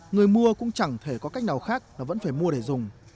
người mua cũng chẳng thể có cách nào khác là vẫn phải mua để dùng